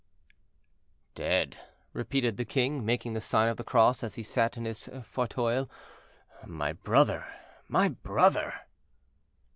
"Dead," repeated the king, making the sign of the cross as he sat in his fauteuil; "my brother, my brother!"